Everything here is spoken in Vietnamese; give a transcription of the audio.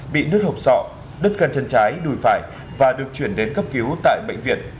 bị nứt hộp sọ đứt cân chân trái đùi phải và được chuyển đến cấp cứu tại bệnh viện